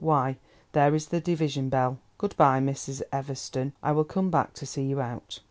Why, there is the division bell. Good bye, Mrs. Everston, I will come back to see you out."